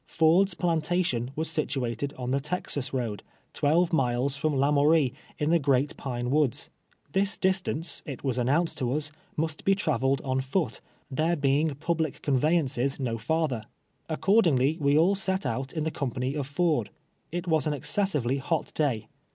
Ford's plantation was situatetl on the Texas road, twelve miles Irom Lamourie, in the Great Pine AVoods. This distance, it was announced to ns, must be traveled on foot, tliero being ])ul)lic conveyances no farther. Accordingly we all set out iii the company of Ford. It wa^ an ex cessively hot day.